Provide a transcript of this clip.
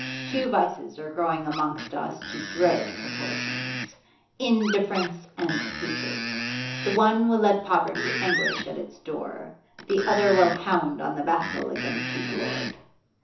Two vices are growing among us to dread proportions indifference and hatred: the one will let poverty anguish at its door, the other will hound on the vassal against his lord.